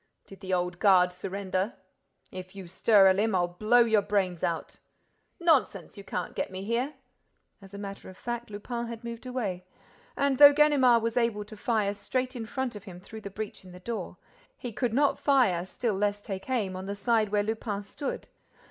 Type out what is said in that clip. "Did the old guard surrender?" "If you stir a limb, I'll blow your brains out!" "Nonsense! You can't get me here!" As a matter of fact, Lupin had moved away; and, though Ganimard was able to fire straight in front of him through the breach in the door, he could not fire, still less take aim, on the side where Lupin stood.